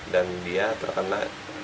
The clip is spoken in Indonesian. dan dia terkena